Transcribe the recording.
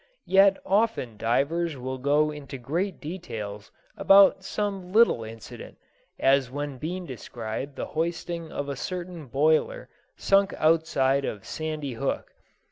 Yet often divers will go into great details about some little incident, as when Bean described the hoisting of a certain boiler sunk outside of Sandy Hook.